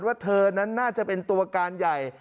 ว่าเธอนั้นน่าจะเป็นตัวการใหญ่